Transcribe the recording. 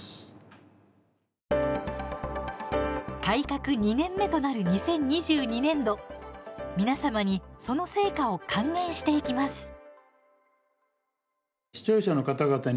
改革２年目となる２０２２年度皆様にその成果を還元していきます。